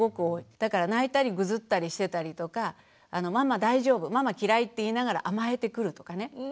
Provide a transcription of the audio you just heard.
だから泣いたりぐずったりしてたりとかママ大丈夫ママ嫌いって言いながら甘えてくるとかね。